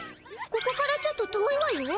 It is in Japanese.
ここからちょっと遠いわよ。